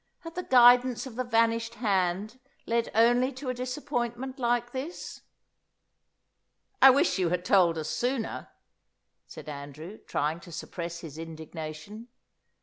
Had the guidance of the vanished hand led only to a disappointment like this? "I wish you had told us sooner," said Andrew, trying to suppress his indignation.